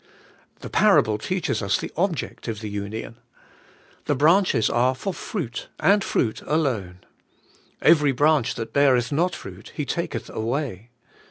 The parable teaches us the olject of the union. The branches are ton fruit ^indi fruit alone. 'Every branch that beareth not fruit He taketh away.